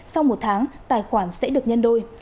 sau một tháng tài khoản sẽ được nhân đôi